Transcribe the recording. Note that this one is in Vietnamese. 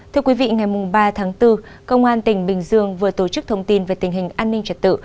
thưa quý vị ngày ba tháng bốn công an tỉnh bình dương vừa tổ chức thông tin về tình hình an ninh trật tự